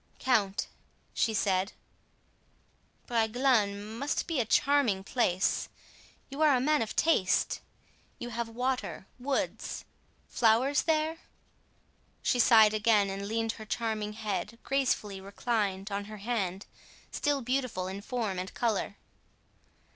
"Count," she said, "Bragelonne must be a charming place. You are a man of taste. You have water—woods—flowers there?" She sighed again and leaned her charming head, gracefully reclined, on her hand, still beautiful in form and color.